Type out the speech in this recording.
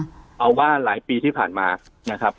เอาว่าหลายปีที่ผ่านมานะครับ